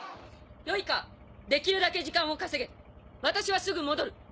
よいかできるだけ時間を稼げ私はすぐ戻る。